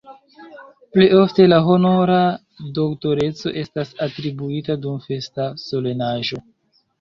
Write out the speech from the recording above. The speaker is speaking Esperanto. Plej ofte la honora doktoreco estas atribuita dum festa solenaĵo.